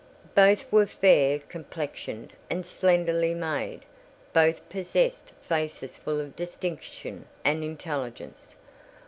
Both were fair complexioned and slenderly made; both possessed faces full of distinction and intelligence.